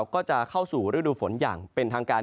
ก็จะเข้าสู่ฤดูฝนอย่างเป็นทางการ